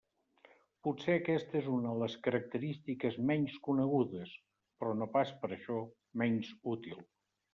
Potser aquesta és una de les característiques menys conegudes, però no per això menys útil.